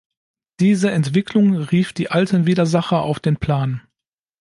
Diese Entwicklung rief die alten Widersacher auf den Plan.